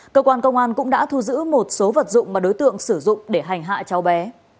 cơ quan công an cũng đã thu giữ một số vật dụng mà đối tượng sử dụng để hành hạ cháu bé